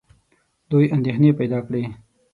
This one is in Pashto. دوی اندېښنې پیدا کړې.